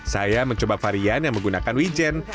saya mencoba varian yang menggunakan wijen